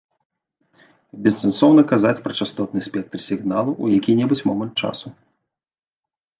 Бессэнсоўна казаць пра частотны спектр сігналу ў які-небудзь момант часу.